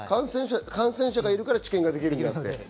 感染者がいるから治験ができる。